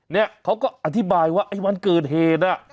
เนี่ยเขาก็อธิบายว่าไอ้วันเกิดเหตุ